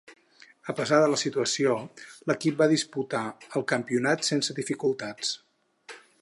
A pesar de la situació, l'equip va disputar el campionat sense dificultats.